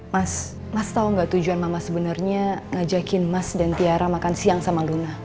mas mas tahu nggak tujuan mama sebenarnya ngajakin mas dan tiara makan siang sama luna